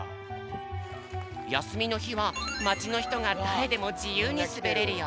やすみのひはまちのひとがだれでもじゆうにすべれるよ！